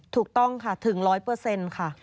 ถูกต้องค่ะถึง๑๐๐เปอร์เซ็นต์ค่ะ